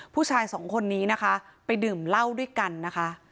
ผู้ชายสองคนนี้นะคะไปดื่มเหล้าด้วยกันนะคะ